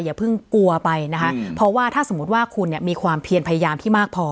อย่าเพิ่งกลัวไปนะคะเพราะว่าถ้าสมมุติว่าคุณเนี่ยมีความเพียรพยายามที่มากพอ